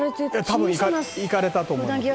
「多分行かれたと思います」